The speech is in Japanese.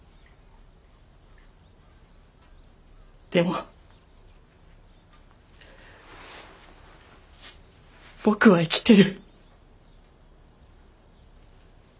でも僕は生きてる。